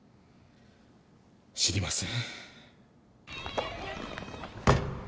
知りません。